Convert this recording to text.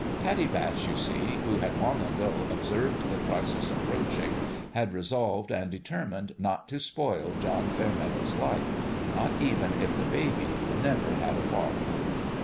Pattie Batch, you see, who had long ago ob served the crisis approaching, had resolved and determined not to spoil John Fairmeadow's life not even if the baby never had a father.